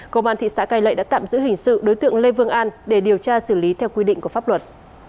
công an thị xã cai lệ đã tạm giữ hình sự đối tượng lê vương an để điều tra xử lý theo quy định của pháp luật